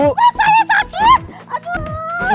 perut saya sakit